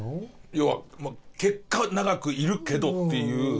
要はまあ結果長くいるけどっていう。